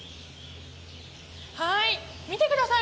はい、見てください